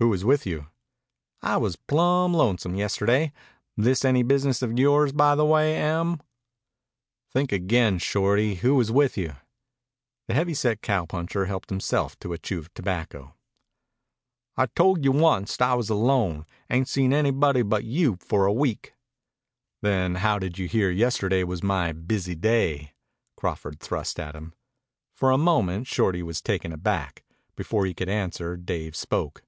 "Who was with you?" "I was plumb lonesome yesterday. This any business of yours, by the way, Em?" "Think again, Shorty. Who was with you?" The heavy set cowpuncher helped himself to a chew of tobacco. "I told you onct I was alone. Ain't seen anybody but you for a week." "Then how did you hear yesterday was my busy day?" Crawford thrust at him. For a moment Shorty was taken aback. Before he could answer Dave spoke.